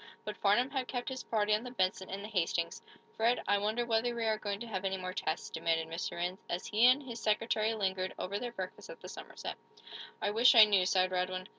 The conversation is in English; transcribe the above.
But Farnum had kept his party on the "Benson" and the "Hastings." "Fred, I wonder whether we are going to have any more tests," demanded Mr. Rhinds, as he and his secretary lingered over their breakfast at the Somerset. "I wish I knew," sighed Radwin.